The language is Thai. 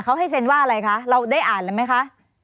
เขาให้เซ็นว่าอะไรคะเราได้อ่านแล้วไหมคะ